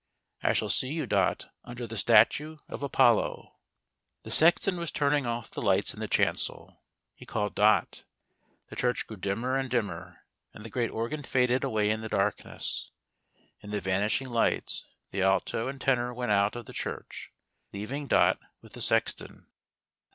I shall see you. Dot — under the statue of Apollo." The sexton was turning off the lights in the chancel. He called Dot. The church grew dimmer and dimmer, and the great organ faded away in the darkness. In the vanishing lights the Alto and Tenor went out of the church, leaving Dot with the sexton.